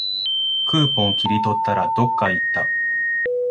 クーポン切り取ったら、どっかいった